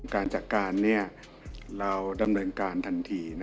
การจัดการเราดำเนินการทันที